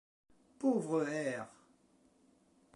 Pauvres hères !